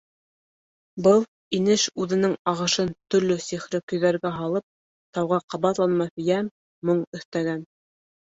Был инеш үҙенең ағышын төрлө сихри көйҙәргә һалып тауға ҡабатланмаҫ йәм, моң өҫтәгән.